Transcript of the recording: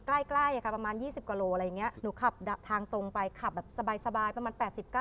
ใกล้ประมาณ๒๐กว่าโลหนูขับทางตรงไปขับสบายประมาณ๘๐๙๐